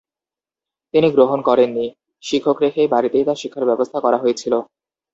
তিনি গ্রহণ করেননি; গৃহশিক্ষক রেখে বাড়িতেই তার শিক্ষার ব্যবস্থা করা হয়েছিল।